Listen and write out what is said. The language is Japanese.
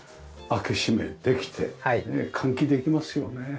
開け閉めできて換気できますよね。